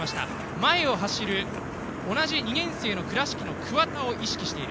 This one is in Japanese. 前を走る同じ２年生の倉敷の桑田を意識している。